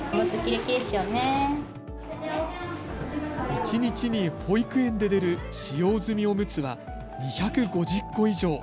一日に保育園で出る使用済みおむつは２５０個以上。